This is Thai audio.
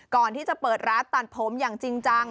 ก่อนที่จะเปิดร้านตัดผมอย่างจริงจัง